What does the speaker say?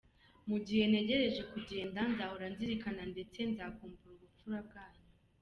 Mu gihe negereje kugenda, nzahora nzirikana ndetse nzakumbura ubupfura bwanyu.